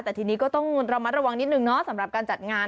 แต่ทีนี้ก็ต้องระมัดระวังนิดนึงเนาะสำหรับการจัดงาน